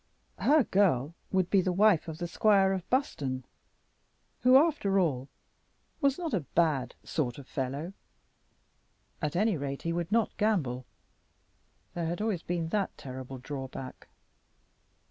Her girl would be the wife of the squire of Buston, who, after all, was not a bad sort of fellow. At any rate he would not gamble. There had always been that terrible drawback.